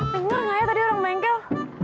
dengar gak ya tadi orang bengkel